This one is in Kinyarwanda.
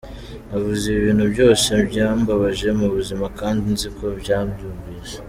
Navuze ibintu byose byambabaje mu buzima kandi nzi ko yabyumvise.